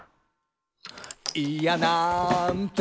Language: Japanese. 「いやなんと」